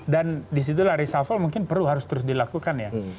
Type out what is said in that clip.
dan disitulah resafah mungkin perlu harus terus dilakukan ya